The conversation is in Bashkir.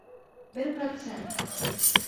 Бер процент